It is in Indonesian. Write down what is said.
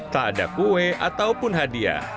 tak ada kue ataupun hadiah